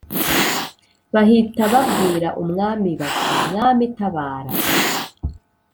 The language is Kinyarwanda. Bahita babwira umwami bati mwami tabara